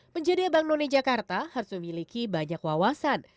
menjadi abang none jakarta harus memiliki banyak wawasan